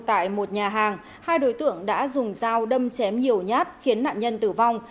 tại một nhà hàng hai đối tượng đã dùng dao đâm chém nhiều nhát khiến nạn nhân tử vong